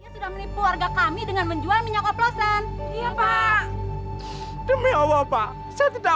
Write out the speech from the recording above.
sudah menipu warga kami dengan menjual minyak oplosan iya pak demi allah pak saya sudah